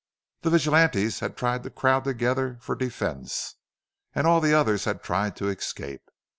The vigilantes had tried to crowd together for defense and all the others had tried to escape.